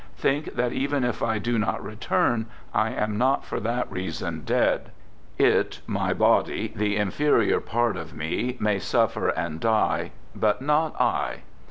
Think that even if I do not return, I am not for that reason dead. It, my body, the inferior part of me, may suffer and die, but not I.